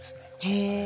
へえ。